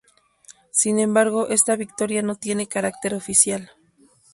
Sin embargo esta victoria no tiene carácter oficial.